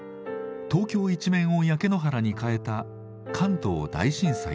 東京一面を焼け野原に変えた関東大震災でした。